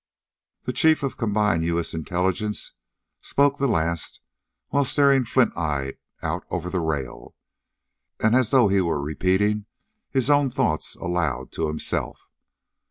The Chief of Combined U.S. Intelligence spoke the last while staring flint eyed out over the rail, and as though he were repeating his own thoughts aloud to himself.